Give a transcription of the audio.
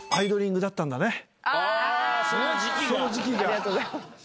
ありがとうございます。